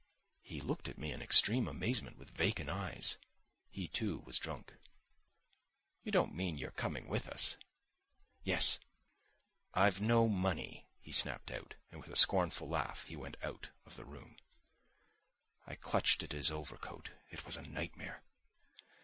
He looked at me in extreme amazement, with vacant eyes. He, too, was drunk. "You don't mean you are coming with us?" "Yes." "I've no money," he snapped out, and with a scornful laugh he went out of the room. I clutched at his overcoat. It was a nightmare.